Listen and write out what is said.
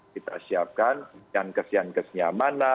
kita siapkan yang kes yang kesnya mana